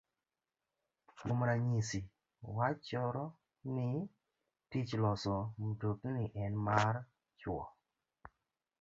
Kuom ranyisi, wachoro ni tich loso mtokni en mar chwo.